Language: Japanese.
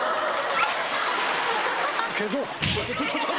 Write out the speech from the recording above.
消そう。